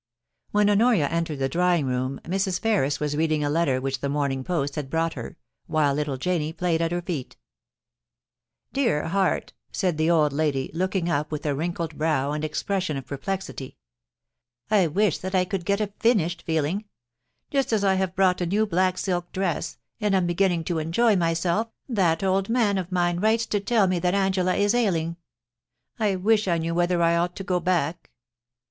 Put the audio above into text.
When Honoria entered the drawing room, Mrs. Ferris was reading a letter which the morning post had brought her, while little Janie played at her feet * Dear heart T said the old lady, looking up with a wrinkled brow and expression of perplexity, * I wish that I could get * YOU SHALL BE MY FAITW 243 vi finished feeling. Just as I have bought a new black silk dress, and am beginning to enjoy myself, that old man of mine >vrites to tell me that Angela is ailing — I wish I knew whether I ought to go back.